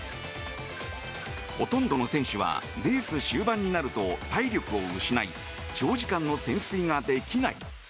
ほとんどの選手はレース終盤になると体力を失い長時間の潜水ができない。